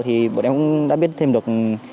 thì bọn em cũng đã biết thêm được